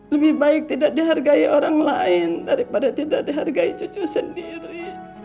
lebih baik tidak dihargai orang lain daripada tidak dihargai cucu sendiri